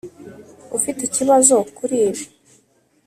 ufite ikibazo kuri ibi?